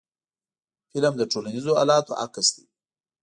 فلم د ټولنیزو حالاتو عکس دی